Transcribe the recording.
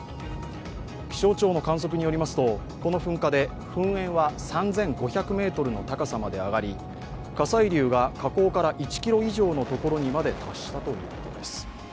気象庁の観測によりますとこの噴火で噴煙は３５００ｍの高さまであがり火砕流が火口から１ｋｍ以上のところまで達したということです。